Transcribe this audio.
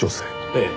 ええ。